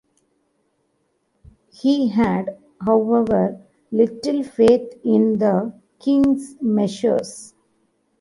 He had, however, little faith in the king's measures.